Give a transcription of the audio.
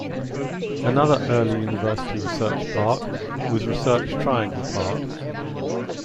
Another early university research park was Research Triangle Park.